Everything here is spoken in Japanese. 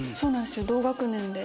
同学年で。